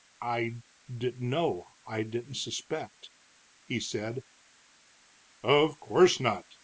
"I didn't know, I didn't suspect," he said. "Of course not.